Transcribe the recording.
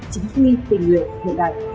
chính quy tình nguyện hiện đại